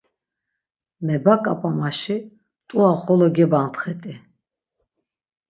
mebaǩap̌a maşi, t̆ua xolo gebantxet̆i.